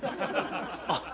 あっ。